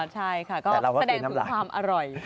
ใช่ค่ะก็แสดงถึงความอร่อย